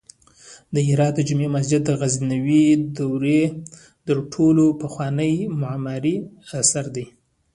د هرات د جمعې مسجد د غزنوي دورې تر ټولو پخوانی معماری اثر دی